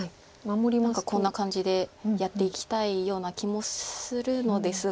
何かこんな感じでやっていきたいような気もするのですが。